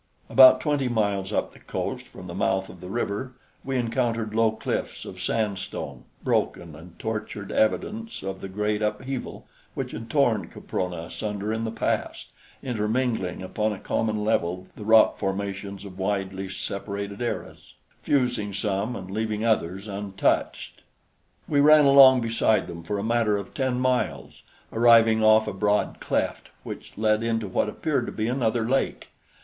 About twenty miles up the coast from the mouth of the river we encountered low cliffs of sandstone, broken and tortured evidence of the great upheaval which had torn Caprona asunder in the past, intermingling upon a common level the rock formations of widely separated eras, fusing some and leaving others untouched. We ran along beside them for a matter of ten miles, arriving off a broad cleft which led into what appeared to be another lake.